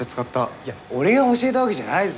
いや俺が教えたわけじゃないぞ。